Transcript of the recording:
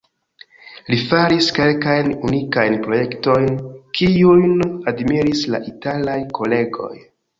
Li faris kelkajn unikajn projektojn, kiujn admiris la italaj kolegoj.